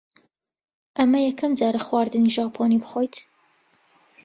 ئەمە یەکەم جارە خواردنی ژاپۆنی بخۆیت؟